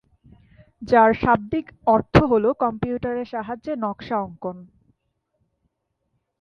যার শাব্দিক অর্থ হলো কম্পিউটারের সাহায্যে নকশা অঙ্কন।